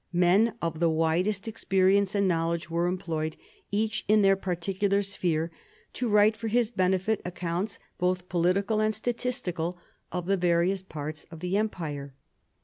Men of the widest experience and knowledge were employed, each in their particular sphere, to write, for his benefit, accounts both political and statistical of the various parts of the Empire.